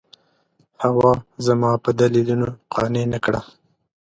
حوا زما په دلیلونو قانع نه کړه.